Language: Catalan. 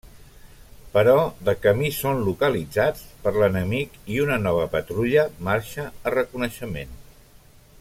Però de camí són localitzats per l'enemic i una nova patrulla marxa a reconeixement.